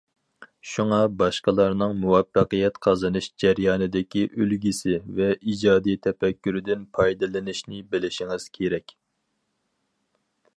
شۇڭا باشقىلارنىڭ مۇۋەپپەقىيەت قازىنىش جەريانىدىكى ئۈلگىسى ۋە ئىجادىي تەپەككۇرىدىن پايدىلىنىشنى بىلىشىڭىز كېرەك.